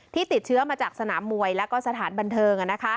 ติดเชื้อมาจากสนามมวยแล้วก็สถานบันเทิง